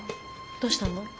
どうしたの？